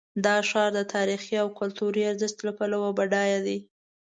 دا ښار د تاریخي او کلتوري ارزښت له پلوه بډایه دی.